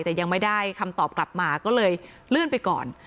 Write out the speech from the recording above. แต่ยังไม่ได้คำตอบกลับมาก็เลยเลื่อนไปก่อน